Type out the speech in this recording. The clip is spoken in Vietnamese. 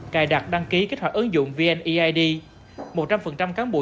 cài đặt đăng ký kích hoạt ứng dụng vneid một trăm linh cán bộ